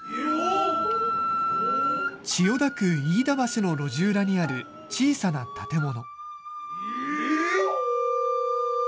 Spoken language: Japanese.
千代田区飯田橋の路地裏にある小さな建物。